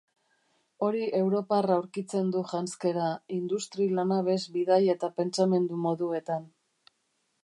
Hori europar aurkitzen du janzkera, industri, lanabes, bidai eta pentsamendu-moduetan.